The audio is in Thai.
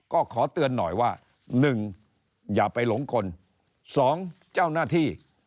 ก็ขอเตือนหน่อยว่า๑อย่าไปหลงกล๒เจ้าหน้าที่